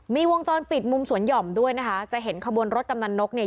มีวงจรปิดมุมสวนหย่อมด้วยนะคะจะเห็นขบวนรถกำนันนกเนี่ย